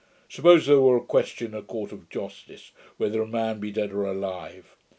Suppose there were a question in a court of justice, whether a man be dead or alive.